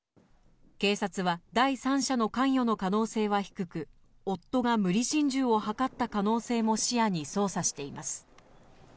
警察は、第三者の関与の可能性は低く、夫が無理心中を図った可能性も視野に、捜査しています。